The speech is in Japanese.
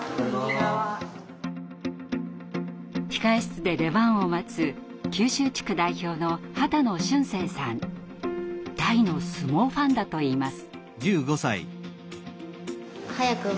控え室で出番を待つ九州地区代表の大の相撲ファンだといいます。